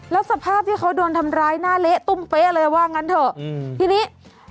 แล้วสภาพที่เขาโดนทำร้ายหน้าเละตุ้มเป๊ะเลยว่างั้นเถอะทีนี้